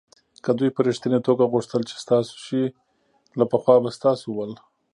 که دوی په ریښتني توگه غوښتل چې ستاسو شي له پخوا به ستاسو ول.